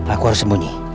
aku harus sembunyi